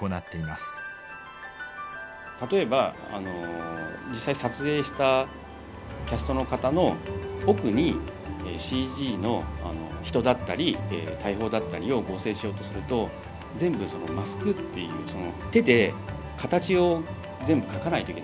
例えば実際に撮影したキャストの方の奥にＣＧの人だったり大砲だったりを合成しようとすると全部マスクという手で形を全部書かないといけないんです。